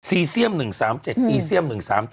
เซียม๑๓๗ซีเซียม๑๓๗